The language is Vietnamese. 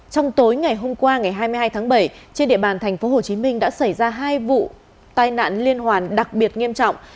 trong tối ngày hôm qua ngày hai mươi hai tháng bảy trên địa bàn tp hcm đã xảy ra hai vụ tai nạn liên hoàn đặc biệt nghiêm trọng